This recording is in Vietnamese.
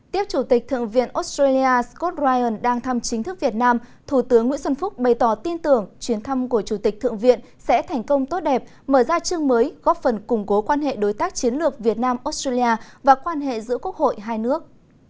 tiếp chủ tịch thượng viện australia scott ryan đang thăm chính thức việt nam thủ tướng nguyễn xuân phúc bày tỏ tin tưởng chuyến thăm của chủ tịch thượng viện sẽ thành công tốt đẹp mở ra chương mới góp phần củng cố quan hệ đối tác chiến lược việt nam australia và quan hệ giữa quốc hội hai nước